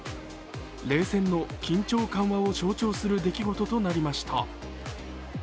冷戦の緊張緩和を象徴する出来事となりました。